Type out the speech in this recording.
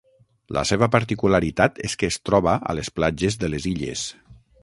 La seva particularitat és que es troba a les platges de les illes.